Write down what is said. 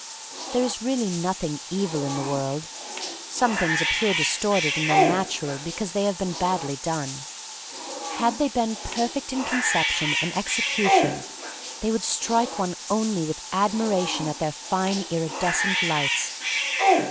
There is really nothing evil in the world. Some things appear distorted and unnatural because they have been badly done. Had they been perfect in conception and execution they would strike one only with admiration at their fine, iridescent lights.